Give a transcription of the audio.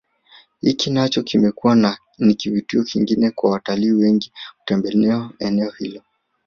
Hiki nacho kimekuwa ni kivutio kingine kwa watalii wengi kutembelea eneo hilo